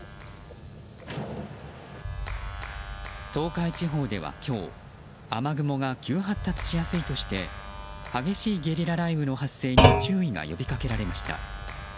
東海地方では今日雨雲が急発達しやすいとして激しいゲリラ雷雨の発生に注意を呼びかけられました。